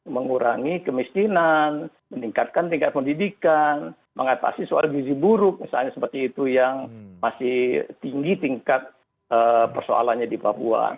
mengurangi kemiskinan meningkatkan tingkat pendidikan mengatasi soal gizi buruk misalnya seperti itu yang masih tinggi tingkat persoalannya di papua